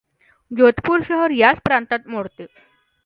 जोधपूर शहर याच प्रांतात मोडते.